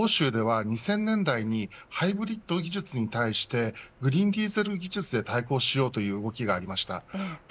欧州では２０００年代にハイブリッド技術に対してクリーンディーゼル技術で対抗しようという動きがありました。